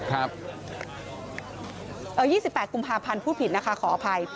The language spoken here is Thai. ครับเอ่อยี่สิบแปดกุมภาพันธ์พูดผิดนะคะขออภัย